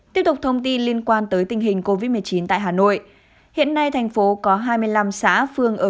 tiếp tục thông tin liên quan tới tình hình covid một mươi chín tại hà nội hiện nay thành phố có hai mươi năm xã phương